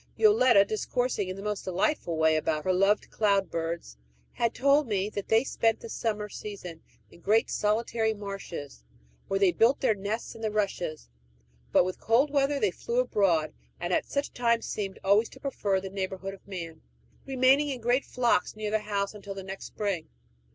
Yoletta, discoursing in the most delightful way about her loved cloud birds, had told me that they spent the summer season in great solitary marshes, where they built their nests in the rushes; but with cold weather they flew abroad, and at such times seemed always to prefer the neighborhood of man, remaining in great flocks near the house until the next spring.